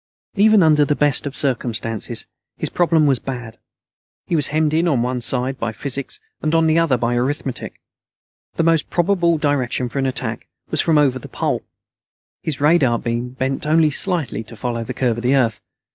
Even under the best of circumstances, his problem was bad. He was hemmed in on one side by physics, and on the other by arithmetic. The most probable direction for an attack was from over the Pole. His radar beam bent only slightly to follow the curve of the Earth.